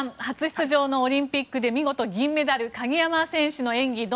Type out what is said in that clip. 初出場のオリンピックで見事、銀メダルの鍵山選手の演技